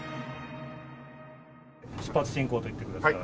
出発進行と言ってください。